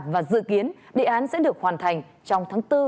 và dự kiến đề án sẽ được hoàn thành trong tháng bốn